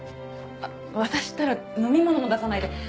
あっ私ったら飲み物も出さないで。